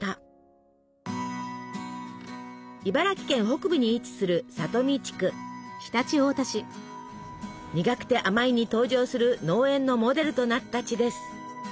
茨城県北部に位置する「にがくてあまい」に登場する農園のモデルとなった地です。